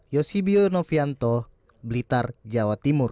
yosibio novianto blitar jawa timur